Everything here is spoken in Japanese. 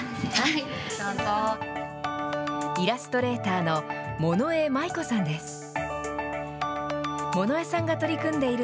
イラストレーターの物江麻衣子さんです。